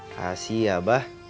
kasih ya abah